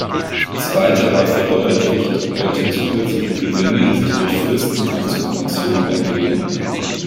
Zweiterer verdeutlicht, welche "zusätzlichen Gewinne sich durch Fristentransformation" ergeben.